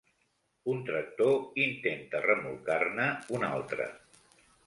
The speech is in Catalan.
Un tractor intenta remolcar-ne un altre